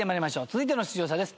続いての出場者です。